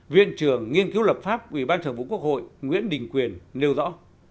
viện trưởng nghiên cứu lập pháp ubnd nguyễn đình quyền nêu rõ